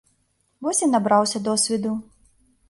Вось і набраўся досведу.